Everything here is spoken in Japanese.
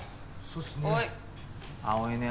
そうっすね。